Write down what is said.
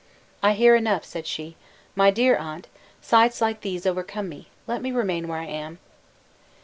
"I hear enough," said she, "my dear aunt; sights like these overcome me; let me remain where I am."